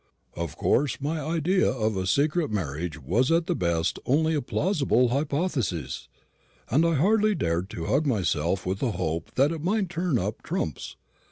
Of course my idea of a secret marriage was at the best only a plausible hypothesis; and I hardly dared to hug myself with the hope that it might turn up trumps.